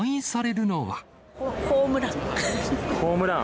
ホームラン。